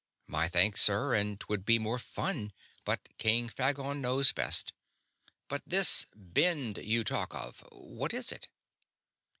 "My thanks, sir, and 'twould be more fun, but King Phagon knows best. But this 'Bend' you talk of what is it?"